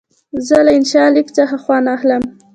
زه له انشا لیک څخه خوند اخلم.